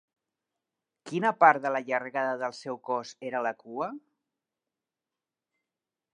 Quina part de la llargada del seu cos era la cua?